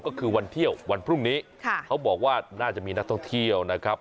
ก็คือวันเที่ยววันพรุ่งนี้เขาบอกว่าน่าจะมีนักท่องเที่ยวนะครับ